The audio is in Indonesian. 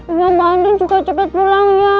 iya danding juga cepet pulang ya